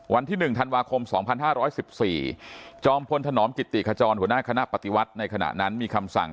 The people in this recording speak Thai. วันที่๑ธันวาคม๒๕๑๔จอมพลธนอมกิติขจรหัวหน้าคณะปฏิวัติในขณะนั้นมีคำสั่ง